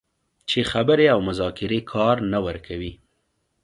چې خبرې او مذاکرې کار نه ورکوي